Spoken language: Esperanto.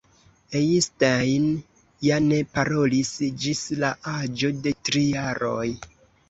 Einstein ja ne parolis ĝis la aĝo de tri jaroj.